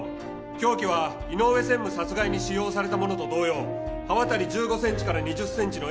凶器は井上専務殺害に使用されたものと同様刃渡り１５センチから２０センチの鋭利な刃物。